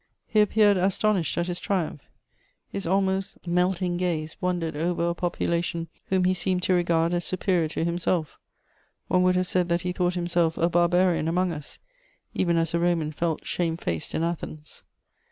He appeared astonished at his triumph; his almost melting gaze wandered over a population whom he seemed to regard as superior to himself: one would have said that he thought himself a Barbarian among us, even as a Roman felt shame faced in Athens.